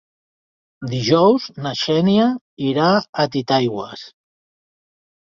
Dijous na Xènia irà a Titaigües.